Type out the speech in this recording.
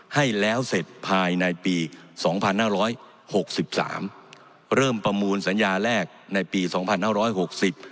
ให้แล้วเสร็จภายในปีสองพันห้าร้อยหกสิบสามเริ่มประมูลสัญญาแรกในปีสองพันห้าร้อยหกสิบ